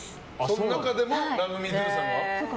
その中でもＬｏｖｅＭｅＤｏさんが？